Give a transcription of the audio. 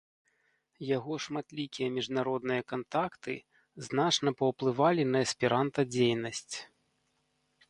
Яго шматлікія міжнародныя кантакты значна паўплывалі на эсперанта-дзейнасць.